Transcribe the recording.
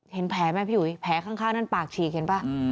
เห็นแผลไหมพี่อุ๋ยแผลข้างนั่นปากฉีกเห็นป่ะ